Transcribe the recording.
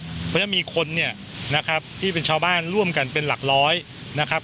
เพราะฉะนั้นมีคนเนี่ยนะครับที่เป็นชาวบ้านร่วมกันเป็นหลักร้อยนะครับ